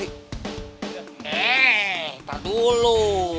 nih ntar dulu